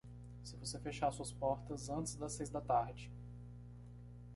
Se você fechar suas portas antes das seis da tarde.